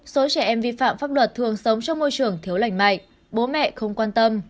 phạm pháp luật thường sống trong môi trường thiếu lành mạnh bố mẹ không quan tâm